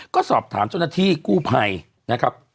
ก็สอบถามเจ้าหน้าที่กู้ภัยนะครับ